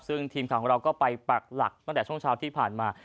ซึ่งทีมของเราก็ไปปากหลักด้านช่องเช้าที่ผ่านมา